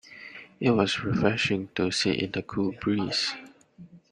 It was refreshing to sit in the cool breeze.